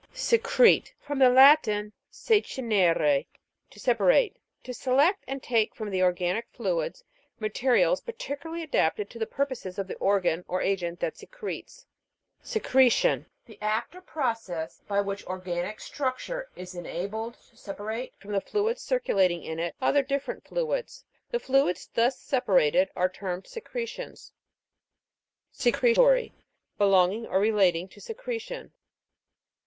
SECRE'TE. From the Latin, secernere, to separate. To select and take from the organic fluids, materials peculiarly adapted to the purposes of the organ or agent that secretes. SECRE'TION. The act or process by which organic structure is enabled to separate from the fluids circu lating in it, other different fluids. The fluids thus separated, are termed secretions. SECRE'TORY. Belonging or relating to secretion.